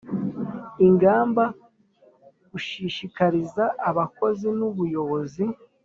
Ingamba gushishikariza abakozi n ubuyobozi